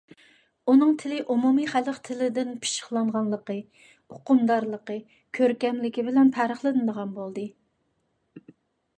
ئۇنىڭ تىلى ئومۇمىي خەلق تىلىدىن پىششىقلانغانلىقى، ئۇقۇمدارلىقى، كۆركەملىكى بىلەن پەرقلىنىدىغان بولدى.